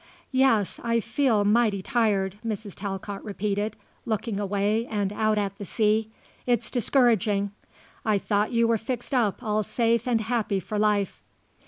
"Yes, I feel mighty tired," Mrs. Talcott repeated, looking away and out at the sea. "It's discouraging. I thought you were fixed up all safe and happy for life."